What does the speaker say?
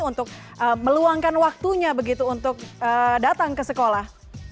untuk meluangkan waktunya begitu untuk datang ke sekolah